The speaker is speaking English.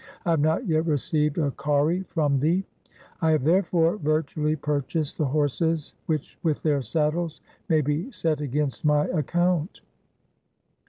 I have not yet received a kauri from thee. I have, therefore, virtually purchased the horses which with their saddles may be set against my account.